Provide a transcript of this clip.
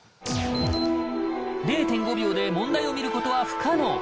０．５秒で問題を見ることは不可能！